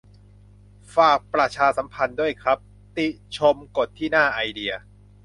ฝากประชาสัมพันธ์ด้วยครับ ติชมกดที่หน้า "ไอเดีย"